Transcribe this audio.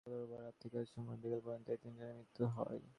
গতকাল রোববার রাত থেকে আজ সোমবার বিকেল পর্যন্ত এই তিনজনের মৃত্যু হয়।